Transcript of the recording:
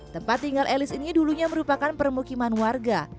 tempat tinggal elis ini dulunya merupakan permukiman warga